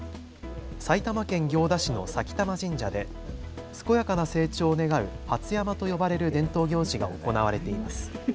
埼玉県行田市の前玉神社で健やかな成長を願う初山と呼ばれる伝統行事が行われています。